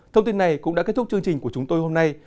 thông tin này cũng đã kết thúc chương trình của chúng tôi hôm nay